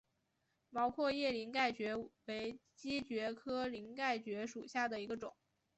毛阔叶鳞盖蕨为姬蕨科鳞盖蕨属下的一个种。